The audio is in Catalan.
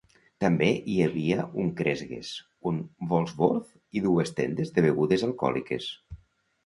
També hi havia un Kresge's, un Woolworth's i dues tendes de begudes alcohòliques.